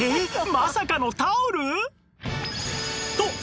まさかのタオル！？